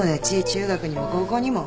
中学にも高校にも。